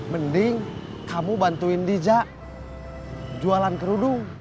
mending kamu bantuin bijak jualan kerudung